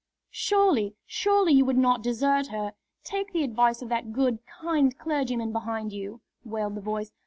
"Surely, surely you would not desert her! Take the advice of that good, kind clergyman behind you!" wailed the voice.